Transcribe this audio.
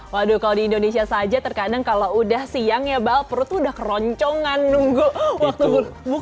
waduh kalau di indonesia saja terkadang kalau udah siang ya bal perut tuh udah keroncongan nunggu waktu buka